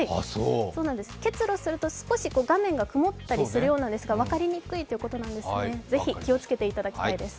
結露すると少し画面が曇ったりするそうなんですが分かりにくいということなんですね、ぜひ気をつけていただきたいです。